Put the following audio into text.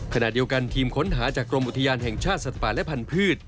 ขณะเดียวกันทีมค้นหาจากกรมอุทยานแห่งชาติสัตว์ป่าและพันธุ์